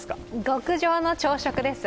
極上の朝食です。